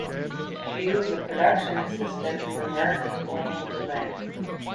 She was a production assistant for Mark Twain Tonight!